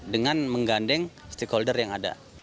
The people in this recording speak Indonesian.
dengan menggandeng stakeholder yang ada